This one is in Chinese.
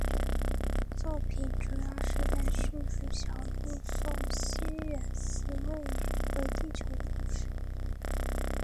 作品主要是在叙述小路送西远寺未宇回地球的故事。